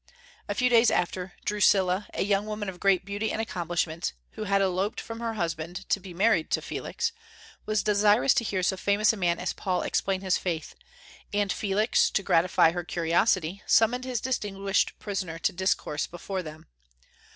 A few days after, Drusilla, a young woman of great beauty and accomplishments, who had eloped from her husband to be married to Felix, was desirous to hear so famous a man as Paul explain his faith; and Felix, to gratify her curiosity, summoned his distinguished prisoner to discourse before them.